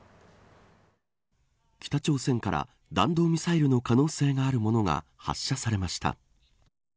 北朝鮮から弾道ミサイルの可能性があるものが発射されました。